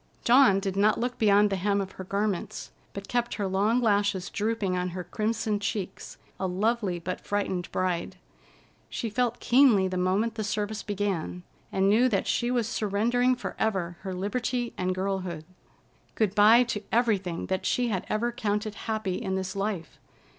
Dawn did not look beyond the hem of her garments, but kept her long lashes drooping on her crimson cheeks, a lovely but frightened bride. She felt keenly the moment the service began, and knew that she was surrendering forever her liberty and girlhood. Good by to everything that she had ever counted happy in this life.